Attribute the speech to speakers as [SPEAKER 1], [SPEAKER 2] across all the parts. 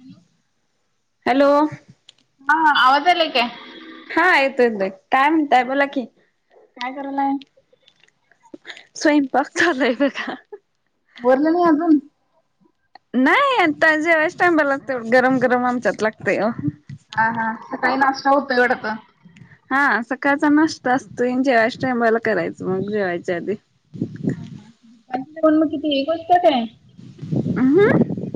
[SPEAKER 1] Hello.
[SPEAKER 2] Hello.
[SPEAKER 1] हा, आवाज यायलाय काय?
[SPEAKER 2] हा, येतो- येतोय. काय म्हणताय, बोला की?
[SPEAKER 1] काय करायलाय?
[SPEAKER 2] स्वयंपाक लाय ब
[SPEAKER 1] बोरलं नाही अजून?
[SPEAKER 2] नाही. आता जेवायच्या टाइमला लागतय. गरम-गरम आमच्यात लागतय, ओ.
[SPEAKER 1] हा, हा. सकाळी नाश्ता होतोय, वाटतं.
[SPEAKER 2] हा, सकाळचा नाष्टा असतोय. न जेवायच्या टाइमला करायचं, मग जेवायच्या आधी.
[SPEAKER 1] हम, हम, हम. बोलन किती? गोष्ट काय?
[SPEAKER 2] असं हम.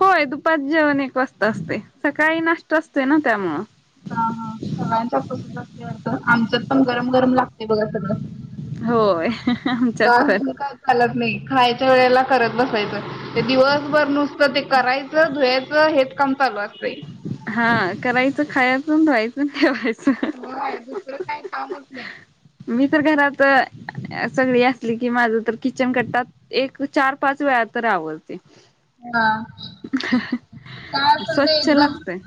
[SPEAKER 2] होय, दुपारच जेवण एक वाजता असतय. सकाळी नाष्टा असतय ना. त्यामुळ.
[SPEAKER 1] हा, हा. सगळ्यांच्यात तसच असतं वाटतं. आमच्यात पण गरम-गरम लागतय, बगा सगळं.
[SPEAKER 2] होय. [unintelligible] आमच्यात पण.
[SPEAKER 1] हालत नाही. खायच्या वेळेला करत बसायचं. ते दिवसभर नुसतं, ते करायचं, धुयायचं. हेच काम चालू असतय.
[SPEAKER 2] हा. करायच. खायाच, न धुवायचं, न ठेवायचं.
[SPEAKER 1] होय. दुसरं काही कामच नाही.
[SPEAKER 2] मी तर घरात. सगळी असली की माझ तर किचन कट्टा एक चार पाच वेळा तर आवरते.
[SPEAKER 1] हा काय असेल त
[SPEAKER 2] स्वच्छ
[SPEAKER 1] एकदम
[SPEAKER 2] लागतय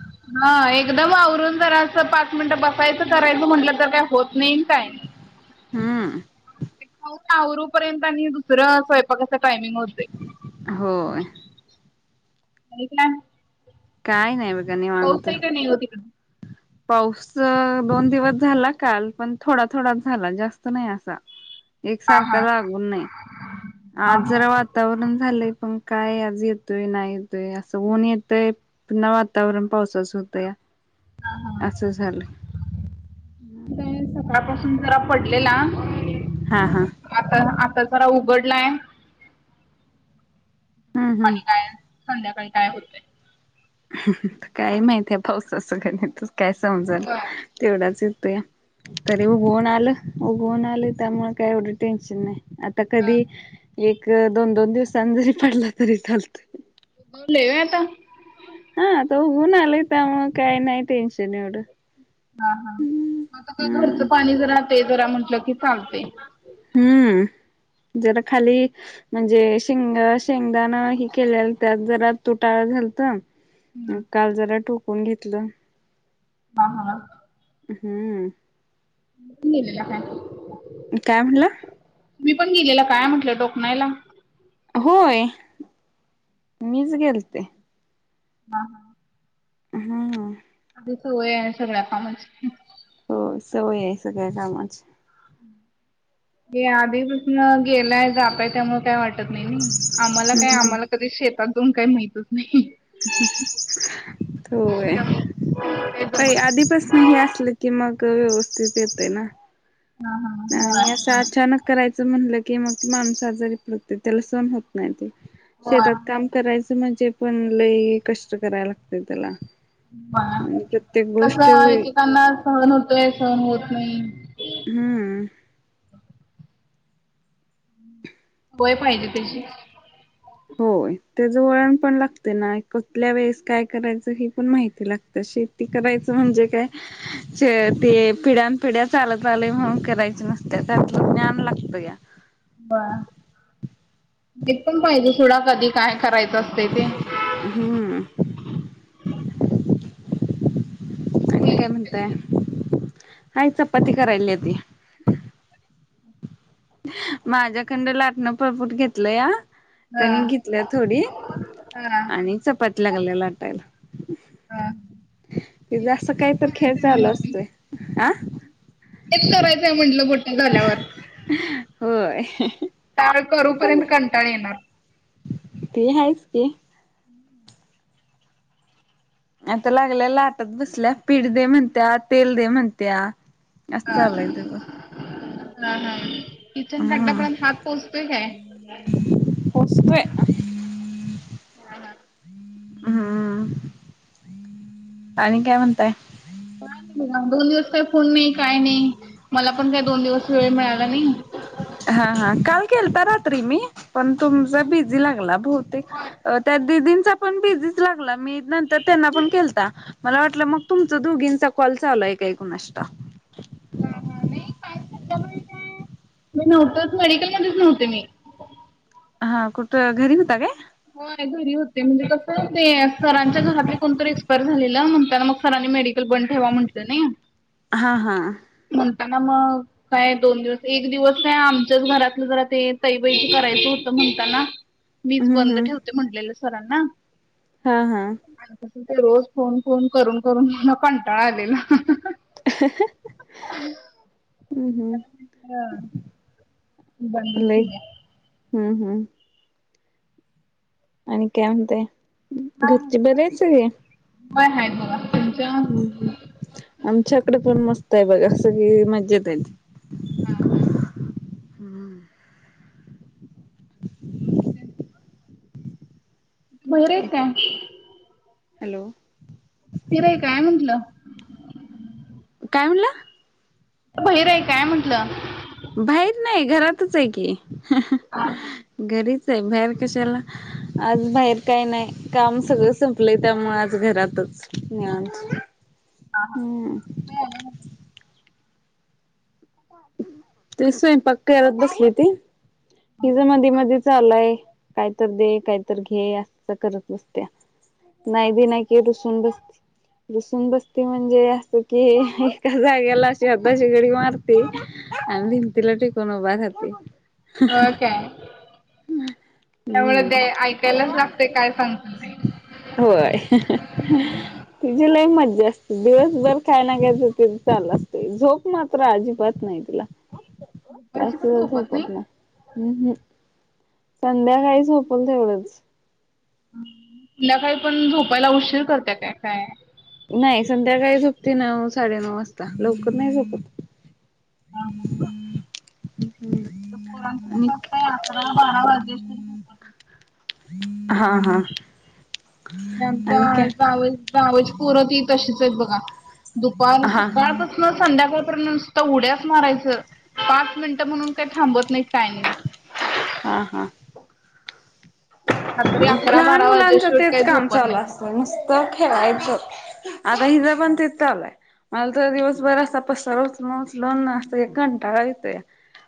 [SPEAKER 1] म एकदम आवरून जरा असं पाच मिनटं बसायचं करायचं म्हटलं तर काय होत नाही काय
[SPEAKER 2] हा
[SPEAKER 1] वरूपर्यंत आणि दुसरं स्वयंपाकां टायमिंग होतय.
[SPEAKER 2] होय.
[SPEAKER 1] आणि काय.
[SPEAKER 2] काय नाही बग.
[SPEAKER 1] पाऊस हाय काय नाही हो तीकड.
[SPEAKER 2] पाऊस दोन दिवस झाला काल पण थोडा-थोडाच झाला जास्त नाही असा. एक
[SPEAKER 1] हा
[SPEAKER 2] सारक
[SPEAKER 1] हा
[SPEAKER 2] लागून नाही.
[SPEAKER 1] हा
[SPEAKER 2] आज
[SPEAKER 1] हा.
[SPEAKER 2] जरा वातावरण झालंय, पण काय आज येतोय नाही येतोय, असं ऊन येतय पुन्हा वातावरण पावसाच होतय.
[SPEAKER 1] हा हा
[SPEAKER 2] असं झाल.
[SPEAKER 1] सकाळ पासून जरा पडलेला.
[SPEAKER 2] हां हां.
[SPEAKER 1] आता आता जरा उघडलाय
[SPEAKER 2] हम्म हम्म
[SPEAKER 1] आणि काय. संध्याकाळी काय होतय.
[SPEAKER 2] काय माहिती या पावसाचं गणित काय समजना
[SPEAKER 1] होय
[SPEAKER 2] तेवढाच येतोय. तरी
[SPEAKER 1] होय.
[SPEAKER 2] उगवून आलं, उगवून आलं त्यामुळ काय एवढं टेन्शन नाही. आता
[SPEAKER 1] हा
[SPEAKER 2] कधी एक, दोन-दोन दिवसांनी जरी पडला तरी चालतोय.
[SPEAKER 1] लय व्हय आता.
[SPEAKER 2] हा आता ऊन आलंय त्यामुळ काही नाही टेन्शन एवढं.
[SPEAKER 1] हा हा मग आता काय घरचं
[SPEAKER 2] हम्म
[SPEAKER 1] पाणी जरा ते जरा म्हटलं की चालतय.
[SPEAKER 2] हम्म जरा खाली. म्हणजे शेंग शेंगदाण हि केलेलं त्यात जरा तुटाळ झालत.
[SPEAKER 1] हम्म
[SPEAKER 2] काल जरा ठोकून घेतलं.
[SPEAKER 1] हा हा.
[SPEAKER 2] हम्म.
[SPEAKER 1] पण गेलेला काय.
[SPEAKER 2] काय म्हणला.
[SPEAKER 1] तुम्ही पण गेलेला काय म्हटलं डोकणायला.
[SPEAKER 2] होय मीच गेलते.
[SPEAKER 1] हा.
[SPEAKER 2] हा हा.
[SPEAKER 1] आधी सवय हाय सगळ्या कामची.
[SPEAKER 2] हो, सवय आहे सगळ्या कामाची.
[SPEAKER 1] हे आधीपासून गेलाय जातय त्यामुळं काय वाटत नाही आम्हाला काय
[SPEAKER 2] हम्म
[SPEAKER 1] आम्हाला कधी शेतात जाऊन काही माहितच नाही.
[SPEAKER 2] होय
[SPEAKER 1] त्यामुळे काही
[SPEAKER 2] प
[SPEAKER 1] जमत नाही.
[SPEAKER 2] आधीपासन ह असले की मग व्यवस्थित येते ना.
[SPEAKER 1] हा हा होय
[SPEAKER 2] आणि असं अचानक करायचं म्हणलं की मग माणूस आजारी पडतते. त्याला सण होत नाही
[SPEAKER 1] होय.
[SPEAKER 2] शेतात काम. करायचं म्हणजे पण लई कष्ट करायला लागते त्याला. आणि प्रत्येक
[SPEAKER 1] कस
[SPEAKER 2] गोष्ट वे
[SPEAKER 1] एकेकांना सहन होतोय सहन होत नाही.
[SPEAKER 2] हम्म.
[SPEAKER 1] होय पाहिजे कशी.
[SPEAKER 2] होय, त्याचं वळण पण लागते ना. कुठल्या वेळेस काय करायचं हे पण माहिती लागते. तर शेती करायचं म्हणजे काय ते पिढ्यान पिढ्या चालत आले म्हणून करायचे नसत त्यालं ज्ञान लागतं ग्या.
[SPEAKER 1] [inaudible] ते पण पाहिजे सोडा कधी काय करायचं असत ते.
[SPEAKER 2] हम.
[SPEAKER 1] हम [unintelligible]
[SPEAKER 2] म्हणताय. हाय चपाती करायल्याती. माझ्याकडण लाटणं पळपुट घेतलं या.
[SPEAKER 1] हा
[SPEAKER 2] कनिक घेतल्या थोडी.
[SPEAKER 1] हा
[SPEAKER 2] आणि चपाती लागल्या लाटायला.
[SPEAKER 1] हा.
[SPEAKER 2] तीज
[SPEAKER 1] तेच
[SPEAKER 2] असं
[SPEAKER 1] तेच
[SPEAKER 2] काही तर खेळ
[SPEAKER 1] करायचंय
[SPEAKER 2] चालू
[SPEAKER 1] म्हणावं बाई.
[SPEAKER 2] असतोय. आ
[SPEAKER 1] तेच करायचंय म्हंटलं मोठ झाल्यावर.
[SPEAKER 2] होय.
[SPEAKER 1] त्यावेळेस
[SPEAKER 2] ते
[SPEAKER 1] करू
[SPEAKER 2] पण
[SPEAKER 1] पर्यंत कंटाळा येणार.
[SPEAKER 2] ते आहेच की, आता लागल्या लाटत बसल्या. पीठ दे म्हणत्या, तेल दे म्हणत्या. असं
[SPEAKER 1] हा
[SPEAKER 2] चालू तेज.
[SPEAKER 1] हा हा किचन कट्टा पर्यंत हात पोहोचतोय काय?
[SPEAKER 2] पोहोचतोय.
[SPEAKER 1] हा हा.
[SPEAKER 2] हम्म आणि काय म्हणताय?
[SPEAKER 1] नाही बा. दोन दिवस काही फोन नाही. काय नाही. मला पण काही दोन दिवस वेळ मिळाला नाही.
[SPEAKER 2] हा हा काल केलता रात्री मी पण तुमचा बिझी लागला. हो, त्या दीदींनचा पण बिझी च लागला. मी नंतर त्यांना पण केलता. मला वाटलं मग तुमचं दोघींचा कॉल चालू आहे का कुणासतो.
[SPEAKER 1] नाही काही शकत नाही काय मी नव्हतच मेडिकल मध्येच नव्हते मी.
[SPEAKER 2] हा कुठं घरी होता का?
[SPEAKER 1] हो घरी होते. म्हणजे कस ते सरांच्या घरातले कोणतरी एक्स झा म्हणताना मग सरांनी मेडिकल बंद ठेवा म्हटलं ना
[SPEAKER 2] हा हां.
[SPEAKER 1] म्हणता ना मग. काय दोन दिवस एक दिवस काय आमच्याच घरातलं जरा ते तइबईच करायचं होतं म्हणता ना. बंद
[SPEAKER 2] हम्म
[SPEAKER 1] ठेवते म्हणलेलं सरांना.
[SPEAKER 2] हा हा.
[SPEAKER 1] तस ते रोज फोन फोन करून करून कंटाळा आलेला.
[SPEAKER 2] हम्म हम्म.
[SPEAKER 1] बंदच
[SPEAKER 2] लई
[SPEAKER 1] केल्या.
[SPEAKER 2] हम्म हम्म. आणते आणते. घरचे बरे आहेत सगळे?
[SPEAKER 1] होय हाय बघा तुमच्या हा
[SPEAKER 2] आमच्याकडे पण मस्त आहे बघा. सगळे मज्जेत आहेत.
[SPEAKER 1] हा हा. हक [inaudible] बाहेर आहे काय?
[SPEAKER 2] हॅलो,
[SPEAKER 1] बाहेर आहे काय म्हंटलं,
[SPEAKER 2] काय म्हणलं?
[SPEAKER 1] कुठ बाहेर आहे काय म्हटलं,?
[SPEAKER 2] बाहेर नाही. घरातच आहे की,
[SPEAKER 1] हा.
[SPEAKER 2] घरीच आहे. बाहेर कशाला आज बाहेर काय नाही. काम सगळं संपलंय. त्यामुळे आज घरातच निवांत.
[SPEAKER 1] हा हा
[SPEAKER 2] हम्म
[SPEAKER 1] सासू बाई आल्या का नाय?
[SPEAKER 2] तेच स्वयंपाक करत बसली होती. तीचं मधी मधी चालू हाय. काय तर दे. काय तर घे असं करत बसत्या. नाही द नाही की तू शून बस. रुसून बसते म्हणजे असं की एका जाग्याला अशी हाताची घडी मार म्ही त भिंतीला टेकून उभा राहतंय कोो बाधाती
[SPEAKER 1] होय काय त्यामुळे
[SPEAKER 2] हम्म
[SPEAKER 1] ते ऐकायलाच लागतयं काय सांगत
[SPEAKER 2] होय तिझ लई मज्जा असते दिवसभर काय ना काय तर चालु असते झोप मात्र अजी पत नाही तिला
[SPEAKER 1] दुपारची पण
[SPEAKER 2] पसला
[SPEAKER 1] नाही?
[SPEAKER 2] झोपत नाय हम्म हम् संध्याकाळी झोपल तेवढंच
[SPEAKER 1] संध्याकाळी पण झोपायला उशीर करते काय काय
[SPEAKER 2] नाही संध्याकाळी झोपती नऊ साडेनऊ वाजता लवकर नाही झोपत
[SPEAKER 1] आ
[SPEAKER 2] हम् [inaudible]
[SPEAKER 1] पोरांचं कसं असतं अकरा बारा वाजे
[SPEAKER 2] हा हा आणि
[SPEAKER 1] आमच्या
[SPEAKER 2] काय
[SPEAKER 1] जाव जावेज परत तशीच आहे बघा दुपार
[SPEAKER 2] हा
[SPEAKER 1] सकाळच, मग संध्याकाळपर्यंत नुसतं उड्याचं मारायचं पाच मिनिटं म्हणून काही थांबत नाहीत काय नाय
[SPEAKER 2] हा हा
[SPEAKER 1] रात्री अकरा
[SPEAKER 2] लहान
[SPEAKER 1] बारा
[SPEAKER 2] मुलांचं
[SPEAKER 1] वाजेशिवाय
[SPEAKER 2] तेच
[SPEAKER 1] काही
[SPEAKER 2] काम
[SPEAKER 1] झोपत
[SPEAKER 2] चालू
[SPEAKER 1] नाहीत.
[SPEAKER 2] असतं नुसतं खेळायचं आता हिज पण तेच चालुय मला तर दिवसभर असा पसारा उचलुन उचलुन अस कंटाळा येतोया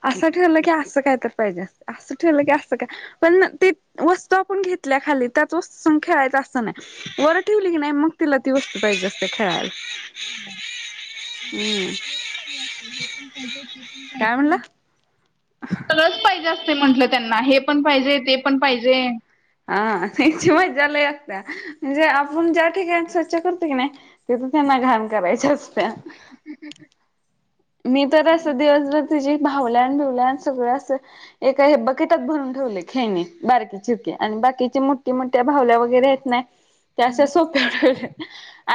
[SPEAKER 2] असं ठेवलं की असं काय तर पाहिजे असतं अस ठेवलं की असं काय पण ती वस तो आपण घेतल्या खाली त्याच वस्तु खेळायचा असं नाही. वर ठेवली की नाही मग तिला ती वस्तू पाहिजे असतीया खेळायला हम्म
[SPEAKER 1] सगळच पाहिज असते हे पण पाहिजे ते पण
[SPEAKER 2] काय म्हणला?
[SPEAKER 1] पाहिजे सगळचं पाहिजे असते म्हंटलं त्यांना हे पण पाहिजे ते पण पाहिजे
[SPEAKER 2] हा त्याची मजा लय असत्या म्हणजे आपण ज्या ठिकाणी स्वच्छ करतो की नाही. तिथं त्यांना घाण करायची असतीया
[SPEAKER 1] [unintelligible]
[SPEAKER 2] मी तर असं दिवसभर तिझ भावल्यान बिवल्यान सगळं असं एका हे बकेटात भरून ठेवले खेळणी बारकी चिरकी आणि बाकीची मोठ्या मोठ्या भावल्या वगैरे हायत सोप्या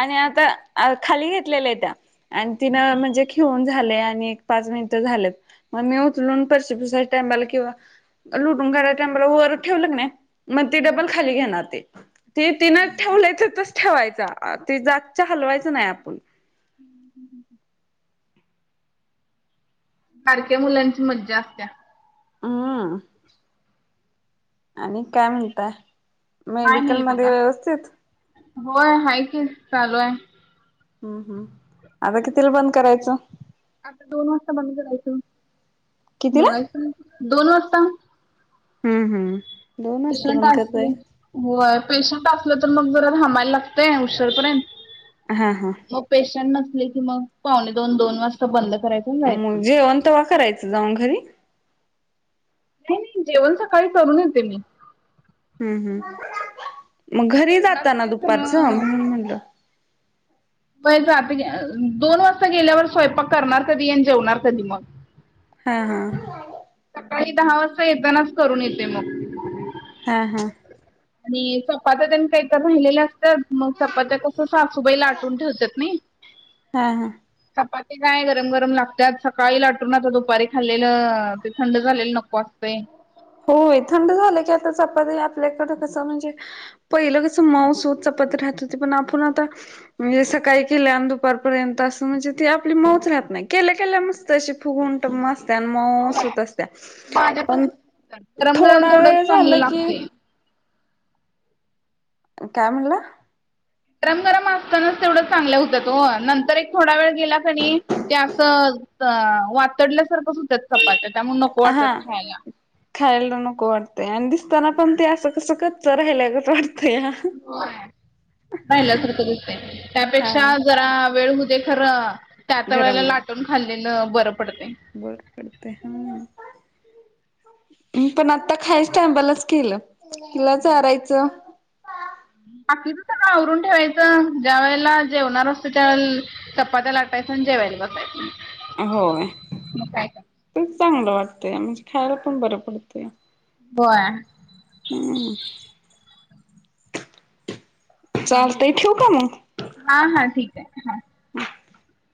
[SPEAKER 2] आणि आता खाली घेतलेल्या आहे त्या आणि तिनं म्हणजे झालयं आणि एक पाच मिनिटं झालेत मग मी उचलून फरशी पूसायचयकिं लुटून काढायच्या टायबांला वर ठेवलं क नाई मग ती डबल खाली घेणार ते ती तिनं ठेवलायचं ठेवायचा ते जागच्या हलवायचं नाही आपण
[SPEAKER 1] ह बारक्या मुलांची मज्जा असतीया
[SPEAKER 2] हम आणि काय म्हणताय?
[SPEAKER 1] नाही
[SPEAKER 2] मेडिकल
[SPEAKER 1] नाही
[SPEAKER 2] मध्ये
[SPEAKER 1] बघा
[SPEAKER 2] व्यवस्थित
[SPEAKER 1] होय हाय की चालू आहे
[SPEAKER 2] हम्म हम् आता कितीला बंद करायचं
[SPEAKER 1] आता दोन वाजता बद करायचयं
[SPEAKER 2] कितीला
[SPEAKER 1] दोन वाजता
[SPEAKER 2] हम् हम् दोन असत पण क ते
[SPEAKER 1] होय पेशंट असलं तर मग जरा थांबायला लागतंय उशीरपर्यंत
[SPEAKER 2] हा हा
[SPEAKER 1] मग पेशंट नसले की मग पावणे दोन दोन वाजता बंद करायचे.
[SPEAKER 2] मग जेवणं तवा करायचं जाऊन घरी
[SPEAKER 1] नाही नाही जेवण सकाळी करून येते मी
[SPEAKER 2] हम् हम् मग घरी
[SPEAKER 1] जेवणाचं
[SPEAKER 2] जाताना
[SPEAKER 1] ते
[SPEAKER 2] दुपारचं
[SPEAKER 1] सगळं
[SPEAKER 2] म्हणून म्हटलं
[SPEAKER 1] दोन वाजता गेल्यावर स्वयंपाक करणार कधी. आणि जेवणार कधी मग.
[SPEAKER 2] हा हा
[SPEAKER 1] सकाळी दहा वाजता येतानाच करून येते मग.
[SPEAKER 2] हा हा
[SPEAKER 1] आणि चपात्या तेन काहीतरी राहिलेल्या असतात. मग चपात्या कस सासूबाई लाटून ठेवत्यात नाई. [inaudible]
[SPEAKER 2] हा हा
[SPEAKER 1] चपाती काय गरम गरम लागत्यात. सकाळी लाटून आता दुपारी खाल्लेल ते थंड झालेल नको कॉफ पे
[SPEAKER 2] होय थंड झाल की आता चपाती आपल्याकड कस म्हणजे पहिल कस मऊ सूद चपाती राहत होती. पण आपण आता म्हणजे सकाळी केल्या आणि दुपारपर्यंत अस म्हणजे ती आपली मऊच राहत नाही. केल्या केल्या मस्त अशी फुगुन टम्म असत्या. आणि मउ सुत असत्या. पण
[SPEAKER 1] गरम गरम
[SPEAKER 2] थोडा वेळ
[SPEAKER 1] तेवढंच
[SPEAKER 2] झाल
[SPEAKER 1] चांगलं
[SPEAKER 2] की
[SPEAKER 1] लागतंय.
[SPEAKER 2] काय म्हनला?
[SPEAKER 1] गरम गरम असतानाच तेवढ चांगल्या हुत्यात ओ. नंतर एक थोडा वेळ गेला की नई ते असं त वातडल्यासारखंच हुत्यात चपात्या. त्यामुळ नको
[SPEAKER 2] अ हा
[SPEAKER 1] वाटतात खायला.
[SPEAKER 2] खायला नको वाटतय. आणि दिसताना पण ते अस कस कच्च राहायलागत वाटतया.
[SPEAKER 1] होय पहिल्यासारखं दिसतयं
[SPEAKER 2] हा
[SPEAKER 1] त्यापेक्षा जरा वेळ होऊ दे खर. त्या त्या वेळेला
[SPEAKER 2] गरम गरम
[SPEAKER 1] लाटून खाल्लेल बर पडतय.
[SPEAKER 2] बर पडतय हा मी पण आता खायच्या टायमालाच केल. तिला चारायच
[SPEAKER 1] बाकीच सगळ आवरून ठेवायच. ज्या वेळेला जेवणार असत त्या वेळेला चपात्या लाटायच आणि जेवायला बसायच.
[SPEAKER 2] होय
[SPEAKER 1] म काय तर.
[SPEAKER 2] ते चांगल वाटतय. म्हणजे खायला पण बर पडत.
[SPEAKER 1] होय.
[SPEAKER 2] हम्म चालतय ठेवु का मग.
[SPEAKER 1] हा हा ठीक आहे हा.
[SPEAKER 2] [inaudible]